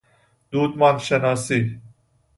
دودمان شناسی